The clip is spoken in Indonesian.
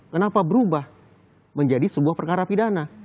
kenapa berubah menjadi sebuah perkara pidana